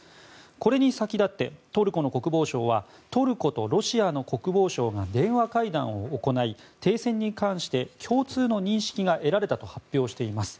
これに先立ってトルコの国防省はトルコのロシアの国防相が電話会談を行い停戦に関して共通の認識が得られたと発表しています。